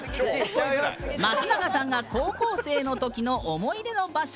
松永さんが高校生の時の思い出の場所